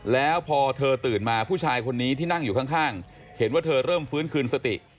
แล้วพอเธอตื่นมาผู้ชายคนนี้ที่นั่งอยู่ข้างเห็นว่าเธอเริ่มฟื้นคืนสติ